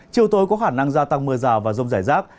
chiều tối có khả năng gia tăng mưa rào và rông rải rác